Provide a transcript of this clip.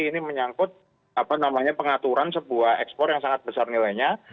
ini menyangkut pengaturan sebuah ekspor yang sangat besar nilainya